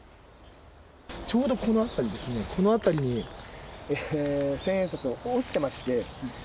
ちょうどこの辺りにですね、この辺りに千円札が落ちてまして。